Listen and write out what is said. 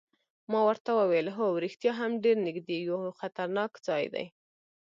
ما ورته وویل: هو رښتیا هم ډېر نږدې یو، خطرناک ځای دی.